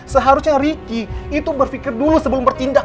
seharusnya ricky itu berpikir dulu sebelum bertindak